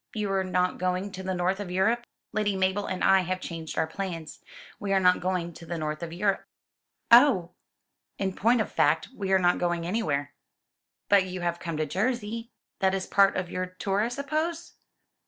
"You are not going to the north of Europe?" "Lady Mabel and I have changed our plans. We are not going to the north of Europe." "Oh!" "In point of fact, we are not going anywhere." "But you have come to Jersey. That is part of your tour, I suppose?"